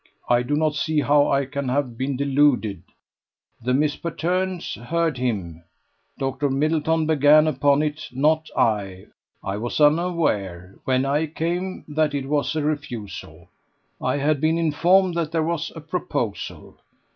I do not see how I can have been deluded. The Miss Patternes heard him. Dr. Middleton began upon it, not I. I was unaware, when I came, that it was a refusal. I had been informed that there was a proposal.